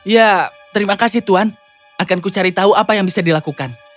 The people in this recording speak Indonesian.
ya terima kasih tuan akan ku cari tahu apa yang bisa dilakukan